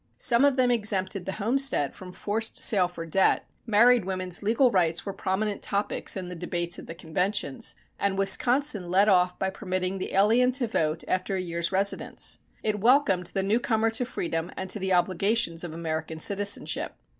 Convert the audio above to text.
Some of them exempted the homestead from forced sale for debt; married women's legal rights were prominent topics in the debates of the conventions, and Wisconsin led off by permitting the alien to vote after a year's residence. It welcomed the newcomer to the freedom and to the obligations of American citizenship.